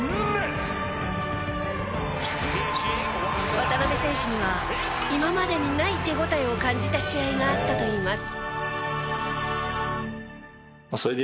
渡邊選手には今までにない手応えを感じた試合があったといいます。